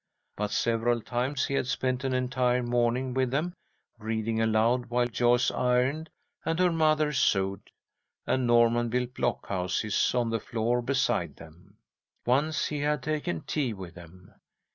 But several times he had spent an entire morning with them, reading aloud, while Joyce ironed and her mother sewed, and Norman built block houses on the floor beside them. Once he had taken tea with them.